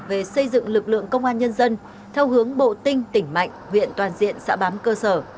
về xây dựng lực lượng công an nhân dân theo hướng bộ tinh tỉnh mạnh huyện toàn diện xã bám cơ sở